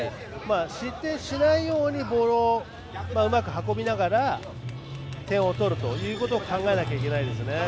失点しないようにボールをうまく運びながら点を取るということを考えなきゃいけないですね。